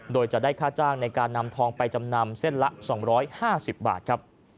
โดยจะได้ค่าจ้างในการนำทองไปจำนำเส้นละ๒๕๐บาทครับ